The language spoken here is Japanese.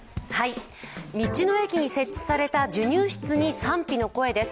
道の駅に設置された授乳室に賛否の声です。